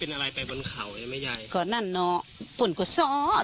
เป็นอะไรไปบนเขาไอ้ยังงี้ยายคอนั่นนอปึ่่งเขาซอะ